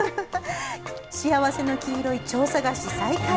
幸せの黄色いチョウ探し、再開！